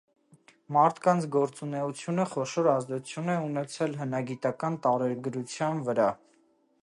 Մարդկային գործունեությունը խոշոր ազդեցություն է ունեցել հնագիտական տարեգրության վրա։